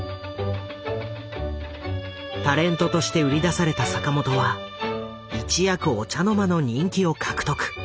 タレントとして売り出された坂本は一躍お茶の間の人気を獲得。